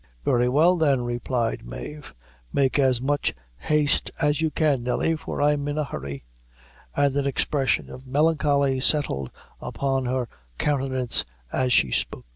"Very well, then," replied Mave; "make as much haste as you can, Nelly, for I'm in a hurry;" and an expression of melancholy settled upon her countenance as she spoke.